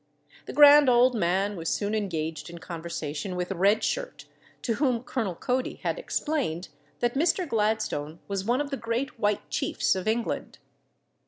The Grand Old Man was soon engaged in conversation with Red Shirt, to whom Colonel Cody had explained that Mr. Gladstone was one of the great white chiefs of England.